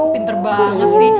pinter banget sih